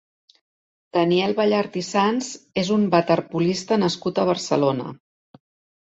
Daniel Ballart i Sans és un waterpolista nascut a Barcelona.